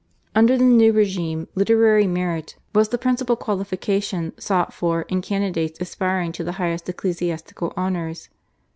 Under the new regime literary merit was the principal qualification sought for in candidates aspiring to the highest ecclesiastical honours.